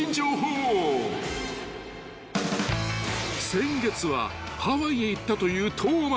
［先月はハワイへ行ったという東松］